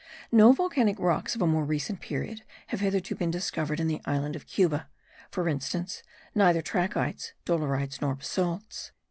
No volcanic rocks of a more recent period have hitherto been discovered in the island of Cuba; for instance, neither trachytes, dolerites, nor basalts.